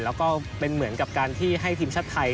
แล้วก็เป็นเหมือนกับการที่ให้ทีมชาติไทย